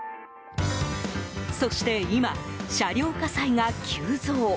そして今、車両火災が急増。